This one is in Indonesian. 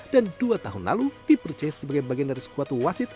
dan dua tahun lalu dipercaya sebagai bagian dari sekuat wasit